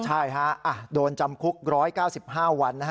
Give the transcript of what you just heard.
ใช่ฮะโดนจำคุก๑๙๕วัน